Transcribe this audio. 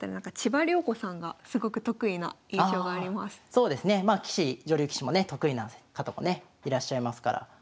そうですねまあ棋士女流棋士もね得意な方もねいらっしゃいますから。